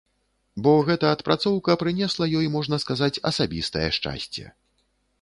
Бо гэта адпрацоўка прынесла ёй, можна сказаць, асабістае шчасце.